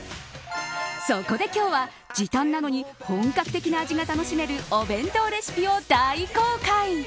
そこで今日は時短なのに本格的な味が楽しめるお弁当レシピを大公開。